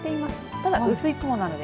ただ、薄い雲なので。